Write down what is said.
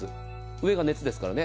上が熱ですからね。